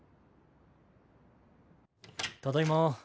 ただいま。